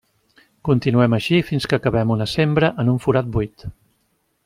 Continuem així fins que acabem una sembra en un forat buit.